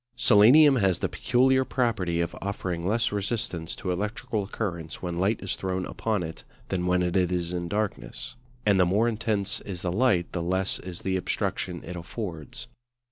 Selenium has the peculiar property of offering less resistance to electrical currents when light is thrown upon it than when it is in darkness: and the more intense is the light the less is the obstruction it affords.